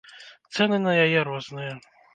Цэны на яе розныя.